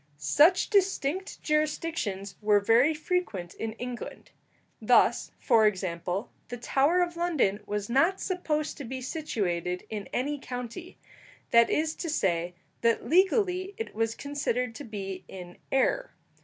Such distinct jurisdictions were very frequent in England. Thus, for example, the Tower of London was not supposed to be situated in any county; that is to say, that legally it was considered to be in air.